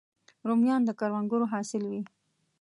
رومیان د کروندګرو حاصل وي